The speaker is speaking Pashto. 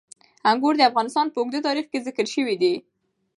انګور د افغانستان په اوږده تاریخ کې ذکر شوی دی.